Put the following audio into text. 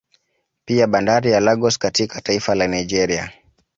Pia bandari ya Lagos katika taifa la Nigeria